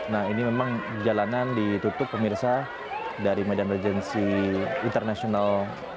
nah ini memang jalanan ditutup pemirsa dari medan urgency international